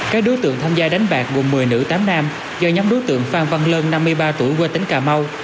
các đối tượng tham gia đánh bạc gồm một mươi nữ tám nam do nhóm đối tượng phan văn lân năm mươi ba tuổi quê tỉnh cà mau